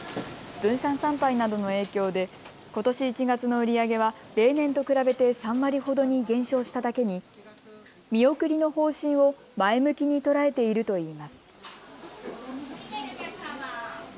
分散参拝などの影響でことし１月の売り上げは例年と比べて３割ほどに減少しただけに見送りの方針を前向きに捉えているといいます。